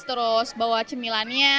terus bawa cemilannya